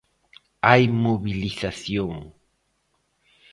Hai mobilización.